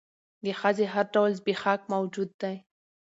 د ښځې هر ډول زبېښاک موجود دى.